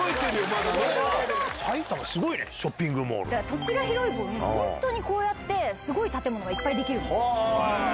土地が広い分こうやってすごい建物がいっぱいできるんですよ。